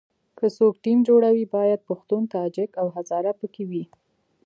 که څوک ټیم جوړوي باید پښتون، تاجک او هزاره په کې وي.